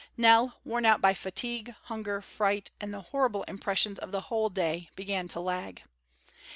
Nell, worn out by fatigue, hunger, fright, and the horrible impressions of the whole day, began to lag.